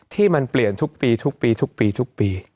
ที่มันเปลี่ยนทุกปีทุกปีทุกปีทุกปี